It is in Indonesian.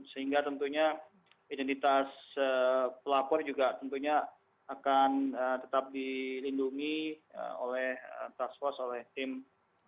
sehingga tentunya identitas pelapor juga tentunya akan tetap dilindungi oleh task force oleh tim